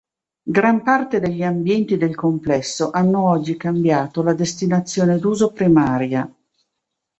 Gran parte degli ambienti del complesso hanno oggi cambiato la destinazione d'uso primaria.